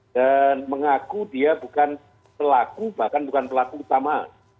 dan mengaku dia bukan pelaku bahkan bukan pelaku utama